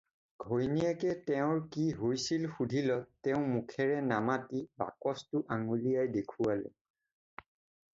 ঘৈণীয়েকে তেওঁৰ কি হৈছিল সুধিলত তেওঁ মুখেৰে নামাতি বাকচটো আঙুলীয়াই দেখুৱালে।